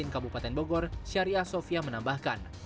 kabupaten bogor syariah sofia menambahkan